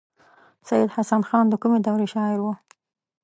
سید حسن خان د کومې دورې شاعر و.